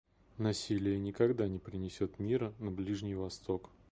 Насилие никогда не принесет мира на Ближний Восток.